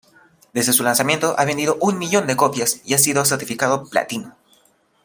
Desde su lanzamiento ha vendido un millón de copias y ha sido certificado platino.